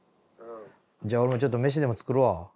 じゃあ俺もちょっと飯でも作るわ。